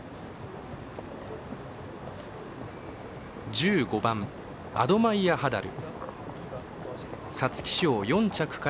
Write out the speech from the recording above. １５番アドマイヤハダル。